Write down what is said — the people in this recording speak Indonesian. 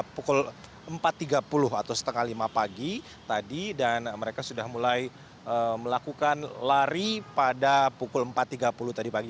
pukul empat tiga puluh atau setengah lima pagi tadi dan mereka sudah mulai melakukan lari pada pukul empat tiga puluh tadi pagi